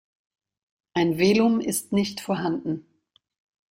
Ein Velum ist nicht vorhanden.